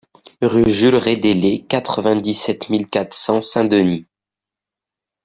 Route Jules Reydellet, quatre-vingt-dix-sept mille quatre cents Saint-Denis